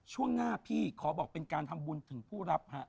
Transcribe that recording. ช่วงหน้าพี่ขอบอกเป็นการทำบุญถึงผู้รับฮะ